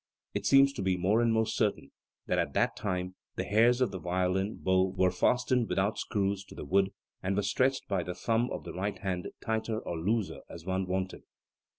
It seems to be more and more certain that at that time the hairs of the violin bow were fastened without screws to the wood, and were stretched by the thumb of the right hand tighter or looser as one wanted.